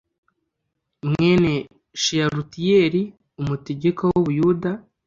mwene sheyalutiyeli umutegeka w u buyuda